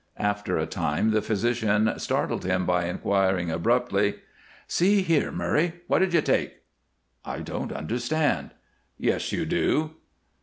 After a time the physician startled him by inquiring, abruptly: "See here, Murray, what did you take?" "I don't understand." "Yes, you do."